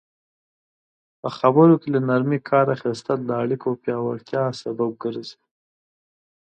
په خبرو کې له نرمي کار اخیستل د اړیکو پیاوړتیا سبب ګرځي.